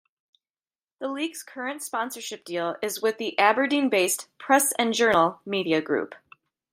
The league's current sponsorship deal is with the Aberdeen-based "Press and Journal" media group.